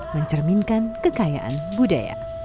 mencerminkan kekayaan budaya